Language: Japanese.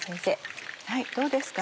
どうですか？